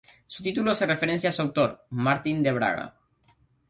Su título hace referencia a su autor, Martín de Braga.